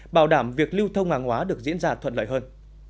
bảo đảm việc lưu thông hàng hóa được diễn ra thuận lợi hơn